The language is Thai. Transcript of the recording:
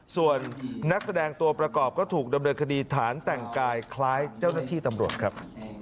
ส่วนนักแสดงตัวประกอบก็ถูกดำเนินคดีฐานแต่งกายคล้ายเจ้าหน้าที่ตำรวจครับ